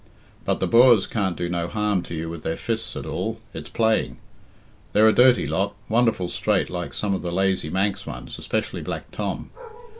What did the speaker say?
But the Boers can't do no harm to you with their fists at all it's playing. They're a dirty lot, wonderful straight like some of the lazy Manx ones, especially Black Tom.